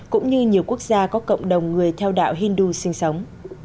cũng như nhiều quốc gia có cộng đồng người theo đạo hindu sinh sống